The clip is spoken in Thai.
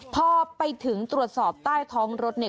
พอไปถึงตรวจสอบใต้ท้องรถเนี่ย